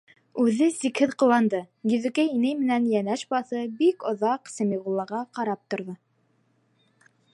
Үҙе сикһеҙ ҡыуанды, Йөҙөкәй инәй менән йәнәш баҫып, бик оҙаҡ Сәмиғуллаға ҡарап торҙо.